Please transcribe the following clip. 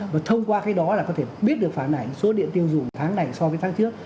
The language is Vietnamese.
và thông qua cái đó là có thể biết được phản ảnh số điện tiêu dùng tháng này so với tháng trước